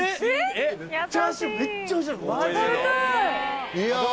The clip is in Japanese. チャーシューめっちゃおいしいの！